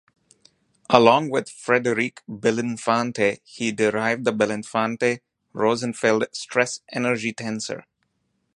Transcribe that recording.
Along with Frederik Belinfante, he derived the Belinfante-Rosenfeld stress-energy tensor.